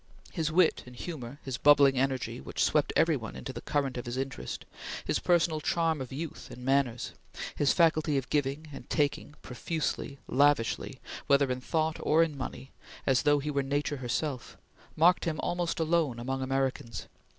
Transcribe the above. His wit and humor; his bubbling energy which swept every one into the current of his interest; his personal charm of youth and manners; his faculty of giving and taking, profusely, lavishly, whether in thought or in money as though he were Nature herself, marked him almost alone among Americans.